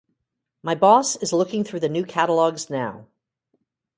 My boss is looking through the new catalogues now.